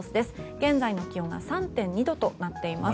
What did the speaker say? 現在の気温が３．２度となっています。